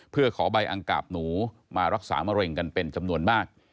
เพื่อขอใบอังกาบหนูมารักษามะเร็งกันเป็นจำนวนมาก